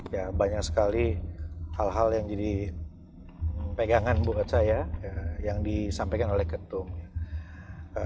ya banyak sekali hal hal yang jadi pegangan buat saya yang disampaikan oleh ketum ya